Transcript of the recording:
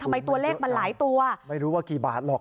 ตัวเลขมันหลายตัวไม่รู้ว่ากี่บาทหรอก